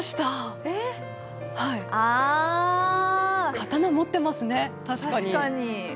刀持ってますね、確かに。